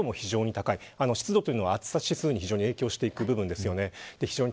湿度は非常に暑さ指数に影響していく部分です。